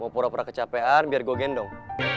mau pura pura kecapean biar gue gendong